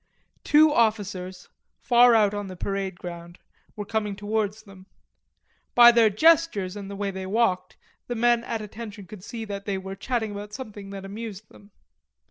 Two officers, far out on the parade ground, were coming towards them. By their gestures and the way they walked, the men at attention could see that they were chatting about something that amused them.